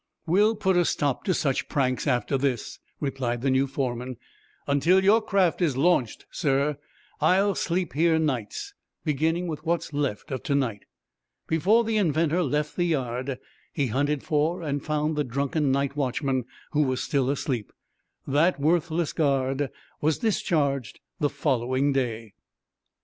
"We'll put a stop to such pranks after this," replied the new foreman. "Until your craft is launched, sir, I'll sleep here nights, beginning with what's left of to night." Before the inventor left the yard, he hunted for and found the drunken night watchman, who was still asleep. That worthless guard was discharged the following day.